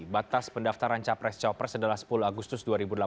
batas pendaftaran capres capres adalah sepuluh agustus dua ribu delapan belas